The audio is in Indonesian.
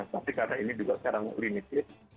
tapi karena ini juga sekarang limited